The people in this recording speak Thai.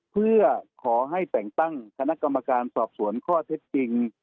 เพื่อขอให้แต่งตั้งคณะกรรมการสอบสวนข้อเท็จจริง